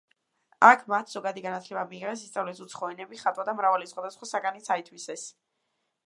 აქ მათ ზოგადი განათლება მიიღეს, ისწავლეს უცხო ენები, ხატვა და მრავალი სხვადასხვა საგანიც აითვისეს.